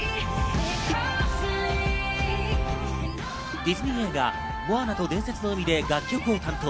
ディズニー映画『モアナと伝説の海』で楽曲を担当。